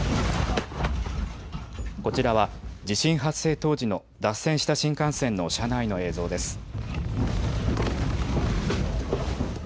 こちらは地震発生当時の脱線した新幹線の車内の映像です。